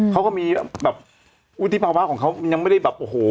เขาก็มีแบบวุฒิภาวะของเขายังไม่ได้แบบโอ้โห